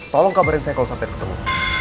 tolong kabarin saya kalau sampai ketemu